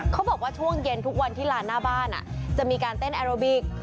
เขาบอกว่าช่วงเย็นทุกวันที่ลานหน้าบ้านจะมีการเต้นแอโรบิก